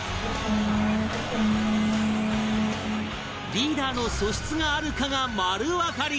リーダーの素質があるかが丸わかり